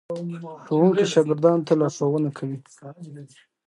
ښوونکي شاګردانو ته لارښوونه کوي.